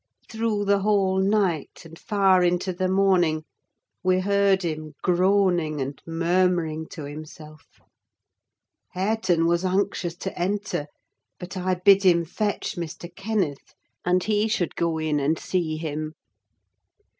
Through the whole night, and far into the morning, we heard him groaning and murmuring to himself. Hareton was anxious to enter; but I bid him fetch Mr. Kenneth, and he should go in and see him.